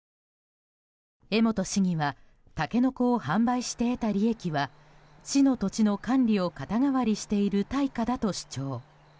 江本市議はタケノコを販売して得た利益は市の土地の管理を肩代わりしている対価だと主張。